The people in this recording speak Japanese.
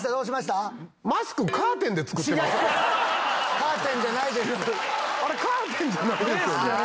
カーテンじゃないです。